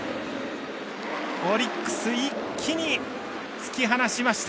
オリックス、一気に突き放しました。